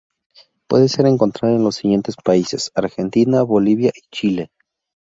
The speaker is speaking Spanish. Puede ser encontrada en los siguientes países: Argentina, Bolivia y Chile.